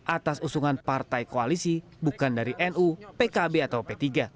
atas usungan partai koalisi bukan dari nu pkb atau p tiga